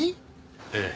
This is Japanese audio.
ええ。